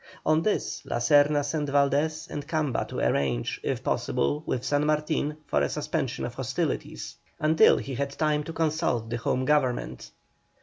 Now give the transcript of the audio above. On this, La Serna sent Valdés and Camba to arrange, if possible, with San Martin for a suspension of hostilities, until he had time to consult the Home Government.